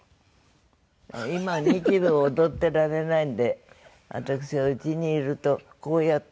今日舞を踊ってられないんで私はうちにいるとこうやってるの。